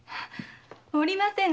おりませぬ！